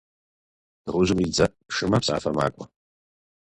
Дыгъужьым и дзэ шымэ псафэ макӏуэ.